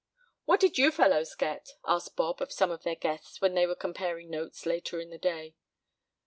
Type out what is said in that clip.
"What did you fellows get?" asked Bob of some of their guests, when they were comparing notes later in the day.